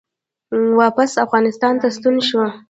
واپس افغانستان ته ستون شو